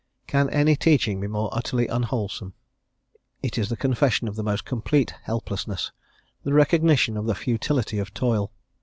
Can any teaching be more utterly unwholesome? It is the confession of the most complete helplessness, the recognition of the futility of toil.